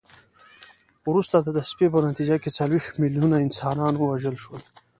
وروسته د تصفیې په نتیجه کې څلوېښت میلیونه انسانان ووژل شول.